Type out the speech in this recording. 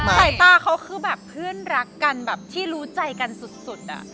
สายตาเขาคือแบบเพื่อนรักกันแบบที่รู้ใจกันสุด